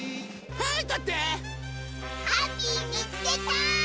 ハッピーみつけた！